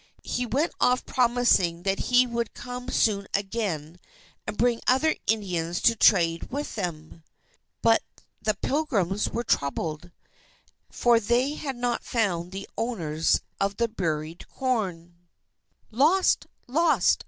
He went off promising that he would come soon again and bring other Indians to trade with them. But the Pilgrims were troubled, for they had not found the owners of the buried corn. LOST! LOST!